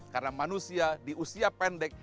karena manusia di usia pendek